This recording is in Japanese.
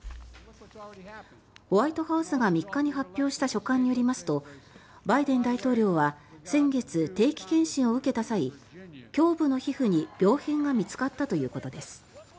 ホワイトハウスが３日に発表した書簡によりますとバイデン大統領は先月、定期健診を受けた際胸部の皮膚に病変が見つかったということです。